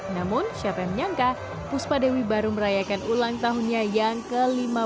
namun siapa yang menyangka puspa dewi baru merayakan ulang tahunnya yang ke lima puluh